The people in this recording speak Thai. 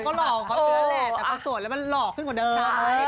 เขาก็หล่อก็ด้วยแต่คนโสดแล้วเขาหล่อขึ้นกว่าเดิม